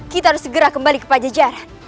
kita harus segera kembali ke pajajaran